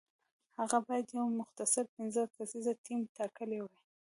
هغه باید یو مختصر پنځه کسیز ټیم ټاکلی وای.